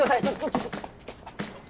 ちょちょっ。